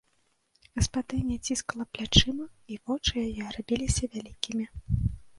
Гаспадыня ціскала плячыма, і вочы яе рабіліся вялікімі.